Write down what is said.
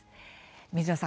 水野さん